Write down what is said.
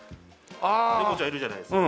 猫ちゃんいるじゃないですか？